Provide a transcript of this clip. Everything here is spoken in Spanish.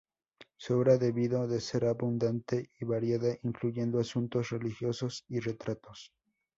Su obra debió de ser abundante y variada, incluyendo asuntos religiosos y retratos.